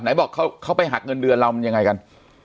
บอกเขาไปหักเงินเดือนเรามันยังไงกัน